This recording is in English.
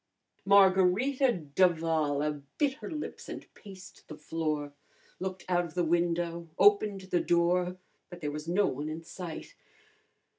Margarita d'Avala bit her lips and paced the floor, looked out of the window, opened the door, but there was no one in sight.